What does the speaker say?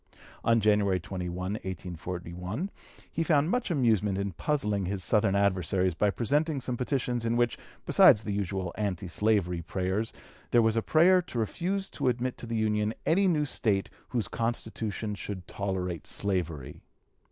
On January 21, 1841, he found much amusement in puzzling his Southern adversaries by presenting some petitions in which, besides the usual anti slavery prayers, there was a prayer to refuse to admit to the Union any new State whose constitution should tolerate slavery.